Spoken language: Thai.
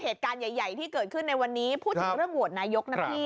เหตุการณ์ใหญ่ที่เกิดขึ้นในวันนี้พูดถึงเรื่องโหวตนายกนะพี่